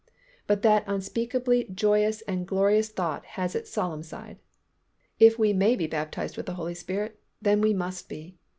But that unspeakably joyous and glorious thought has its solemn side. If we may be baptized with the Holy Spirit then we must be.